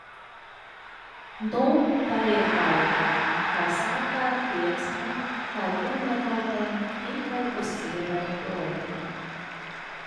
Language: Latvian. Nu, tā ir baigā, kā saka, tieksme kā vienmēr nopelnīt, tikai uz cilvēku rēķina.